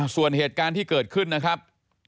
ส่วนเหตุการณ์ที่เกิดขึ้นนะครับ